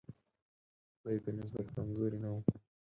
دوی په نسبت کمزوري نه وو.